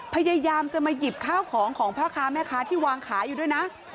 พยายามจะมาหยิบข้าวของของพ่อค้าแม่ค้าที่วางขายอยู่ด้วยนะ